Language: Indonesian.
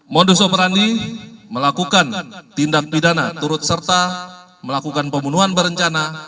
modus operandi melakukan tindak pidana turut serta melakukan pembunuhan berencana